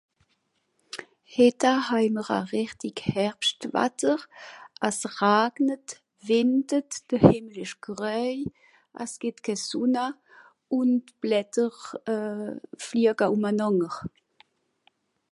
Hìtta hài mr a rìchtig Herbschtwatter: as ragnet, wìndet, de Hìmmel ìsch gröuj, as gìtt ke Sùnna un d Blätter euh fliaga ùmanànger